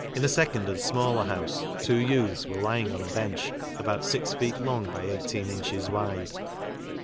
L a 1 Se C ° Ud aDd Smallel ' U OUSe two jouths were lying on a bench about six feet long by eighteen inches wide.